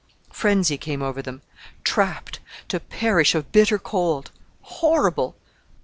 Frenzy came over them. Trapped! To perish of bitter cold! Horrible!...